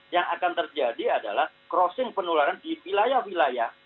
yang akan terjadi adalah crossing penularan di wilayah wilayah